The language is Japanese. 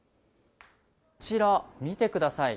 こちら、見てください。